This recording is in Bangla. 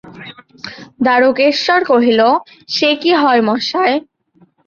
দারুকেশ্বর কহিল, সে কি হয় মশায়!